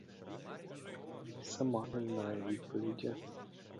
Сама не знаю відповіді.